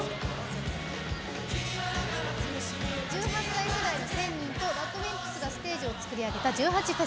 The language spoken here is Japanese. １８歳世代の１０００人とＲＡＤＷＩＭＰＳがステージを作り上げた「１８祭」。